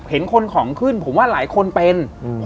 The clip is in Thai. เห็นคนของขึ้นผมว่าหลายคนเป็น